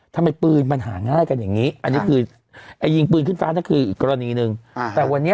ทำไมปืนมันหาง่ายกันอย่างนี้